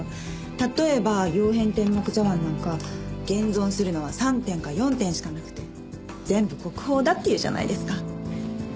例えば曜変天目茶碗なんか現存するのは３点か４点しかなくて全部国宝だっていうじゃないですか。